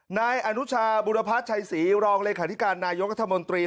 นายอนุชาบุรพัฒนชัยศรีรองเลขาธิการนายกรัฐมนตรี